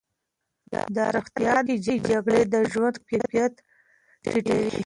دا رښتیا ده چې جګړې د ژوند کیفیت ټیټوي.